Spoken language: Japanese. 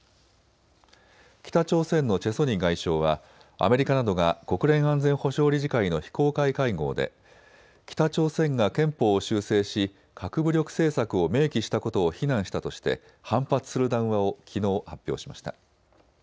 北朝鮮のチェ・ソニ外相はアメリカなどが国連安全保障理事会の非公開会合で北朝鮮が憲法を修正し核武力政策を明記したことを非難したとして反発する談話をきのう発表しました。